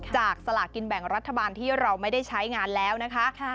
สลากินแบ่งรัฐบาลที่เราไม่ได้ใช้งานแล้วนะคะ